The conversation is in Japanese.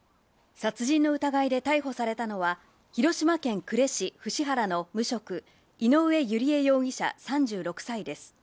殺人の疑いで逮捕されたのは広島県呉市伏原の無職、井上由利恵容疑者、３６歳です。